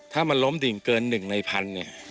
ถ้ามันล้มดิ่งเกิน๑ในพันเนี่ย